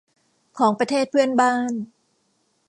ของประเทศเพื่อนบ้าน